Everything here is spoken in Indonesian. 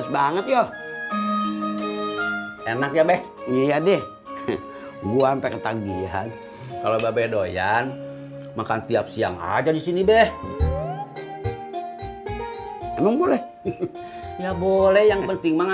sampai jumpa di video selanjutnya